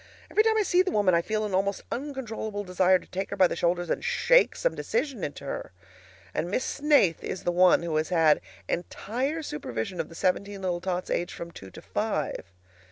Every time I see the woman I feel an almost uncontrollable desire to take her by the shoulders and shake some decision into her. And Miss Snaith is the one who has had entire supervision of the seventeen little tots aged from two to five!